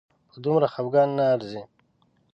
په دومره خپګان نه ارزي